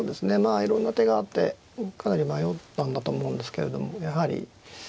いろんな手があってかなり迷ったんだと思うんですけれどもやはり。